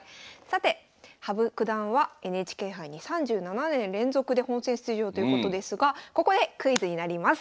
さて羽生九段はＮＨＫ杯に３７年連続で本戦出場ということですがここでクイズになります。